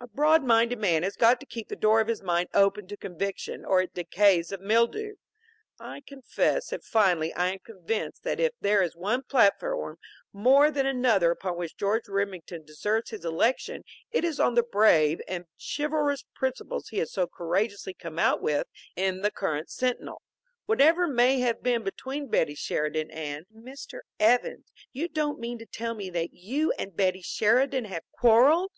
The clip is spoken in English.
A broad minded man has got to keep the door of his mind open to conviction, or it decays of mildew. I confess that finally I am convinced that if there is one platform more than another upon which George Remington deserves his election it is on the brave and chivalrous principles he has so courageously come out with in the current Sentinel. Whatever may have been between Betty Sheridan and " "Mr. Evans, you don't mean to tell me that you and Betty Sheridan have quarreled!